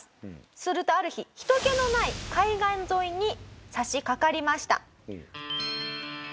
するとある日人けのない海岸沿いに差しかかりました。